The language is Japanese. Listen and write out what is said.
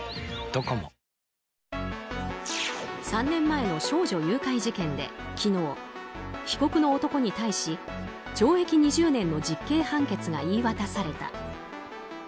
３年前の少女誘拐事件で昨日被告の男に対し、懲役２０年の実刑判決が言い渡された。